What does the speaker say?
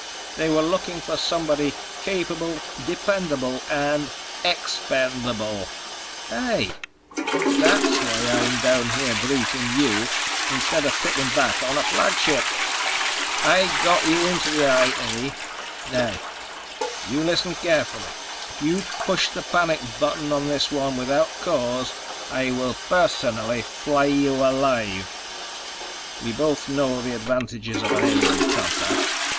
They were looking for somebody capable, dependable ... and ... expendable!" "Hey!" "That's why I'm down here briefing you instead of sitting back on a flagship. I got you into the I A. Now, you listen carefully: If you push the panic button on this one without cause, I will personally flay you alive. We both know the advantages of an alien contact.